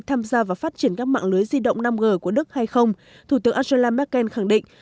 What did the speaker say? tham gia vào phát triển các mạng lưới di động năm g của đức hay không thủ tướng angela merkel khẳng định